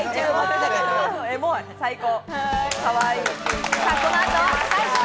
エモい、最高！